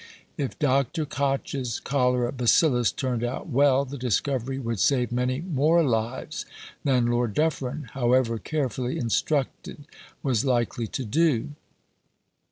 If Dr. Koch's cholera bacillus turned out well, the discovery would save many more lives than Lord Dufferin, however carefully instructed, was likely to do.